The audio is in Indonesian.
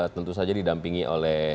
tentu saja didampingi oleh